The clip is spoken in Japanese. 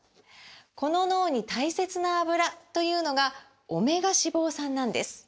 この脳に大切なアブラというのがオメガ脂肪酸なんです！